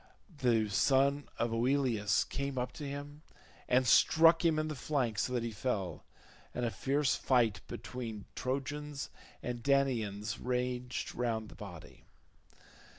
The son of Oileus came up to him and struck him in the flank so that he fell, and a fierce fight between Trojans and Danaans raged round his body.